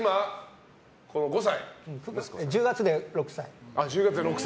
１０月で６歳。